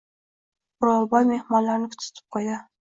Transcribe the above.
O’rolboy mehmonlarni kuzatib qo‘ydi.